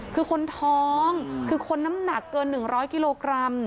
คือคนท้องคือคนน้ำหนักเกิน๑๐๐กิโลกรัม